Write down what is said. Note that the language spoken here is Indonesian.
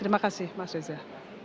terima kasih mas reza